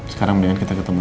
sekarang mendingan kita ketemu